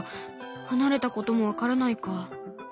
離れたことも分からないか。